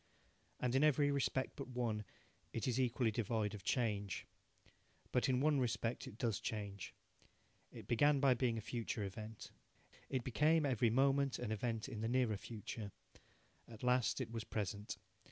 And in every respect but one it is equally devoid of change. But in one respect it does change. It began by being a future event. It became every moment an event in the nearer future. At last it was present.